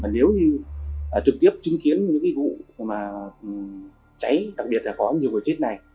nếu như trực tiếp chứng kiến những vụ mà cháy đặc biệt là có nhiều người chết này